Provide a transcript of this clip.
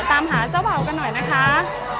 ตามหาเจ้าเบากันหน่อยนะคะ